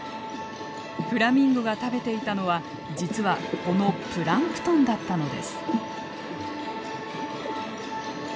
フラミンゴが食べていたのは実はこのプランクトンだったのです。